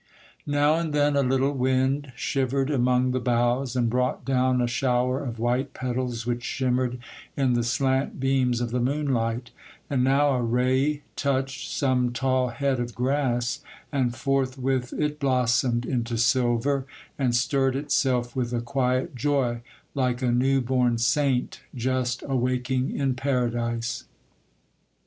Now and then a little wind shivered among the boughs, and brought down a shower of white petals which shimmered in the slant beams of the moonlight; and now a ray touched some tall head of grass, and forthwith it blossomed into silver, and stirred itself with a quiet joy, like a new born saint just awaking in Paradise.